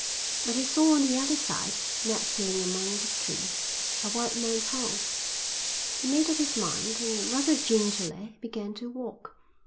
But he saw on the other side, nestling among the trees, a white man's house; he made up his mind and, rather gingerly, began to walk.